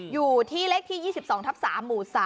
อยู่ที่เลขที่๒๒ทับ๓หมู่๓